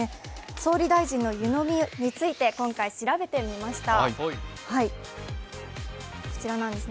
総理大臣の湯飲みについて今回、調べてみました。